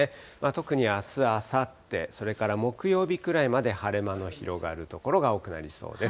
特にあす、あさって、それから木曜日くらいまで晴れ間の広がる所が多くなりそうです。